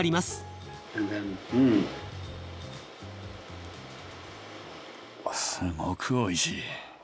すごくおいしい。